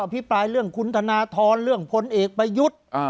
พิปรายเรื่องคุณธนทรเรื่องพลเอกประยุทธ์